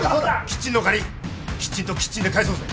キッチンの借りきちんとキッチンで返そうぜ。